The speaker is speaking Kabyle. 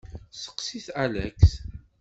Steqsit Alex.